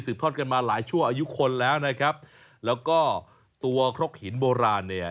ทอดกันมาหลายชั่วอายุคนแล้วนะครับแล้วก็ตัวครกหินโบราณเนี่ย